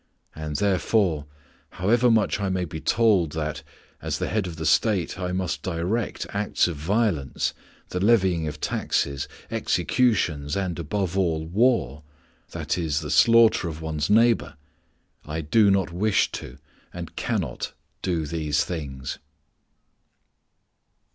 And, therefore, however much I may be told that, as the head of the State, I must direct acts of violence, the levying of taxes, executions and, above all, war, that is, the slaughter of one's neighbor, I do not wish to and cannot do these things."